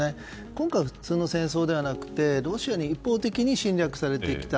今回、普通の戦争ではなくてロシアに一方的に侵略されてきた。